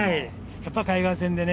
やっぱり海岸線でね